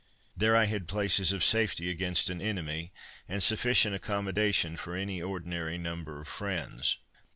There I had places of safety against an enemy, and sufficient accommodation for any ordinary number of friends.